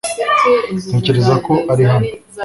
Ntekereza ko ari hano .